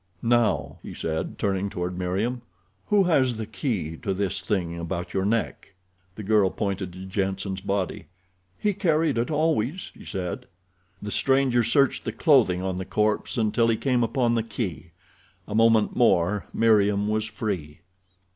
"Now," he said, turning toward Meriem, "who has the key to this thing about your neck?" The girl pointed to Jenssen's body. "He carried it always," she said. The stranger searched the clothing on the corpse until he came upon the key. A moment more Meriem was free.